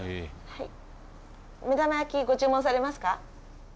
はい目玉焼きご注文されますか？